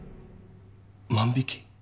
万引き？